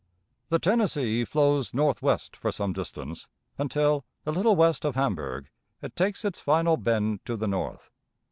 The Tennessee flows northwest for some distance, until, a little west of Hamburg, it takes its final bend to the north.